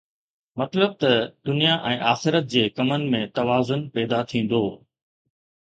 مطلب ته دنيا ۽ آخرت جي ڪمن ۾ توازن پيدا ٿيندو.